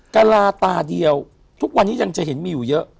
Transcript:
กระลาตาเดียวทุกวันนี้ยังจะเห็นมีอยู่เยอะ